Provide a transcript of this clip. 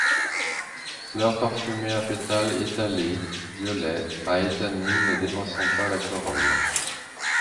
Fleurs parfumées à pétales étalés, violets, à étamines ne dépassant pas la corolle.